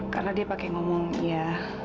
karena dia pake ngomong ya